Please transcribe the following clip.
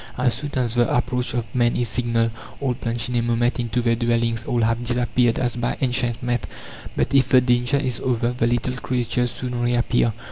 As soon as the approach of man is signalled, all plunge in a moment into their dwellings; all have disappeared as by enchantment. But if the danger is over, the little creatures soon reappear.